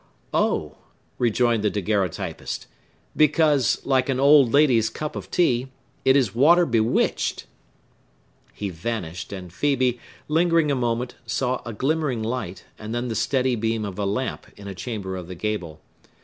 "Oh," rejoined the daguerreotypist, "because, like an old lady's cup of tea, it is water bewitched!" He vanished; and Phœbe, lingering a moment, saw a glimmering light, and then the steady beam of a lamp, in a chamber of the gable.